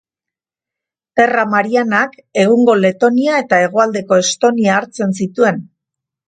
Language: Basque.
Terra Marianak egungo Letonia eta hegoaldeko Estonia hartzen zituen.